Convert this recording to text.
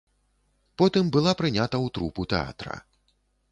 Потым была прынята ў трупу тэатра.